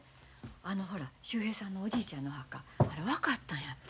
あのほら秀平さんのおじいちゃんのお墓あれ分かったんやて。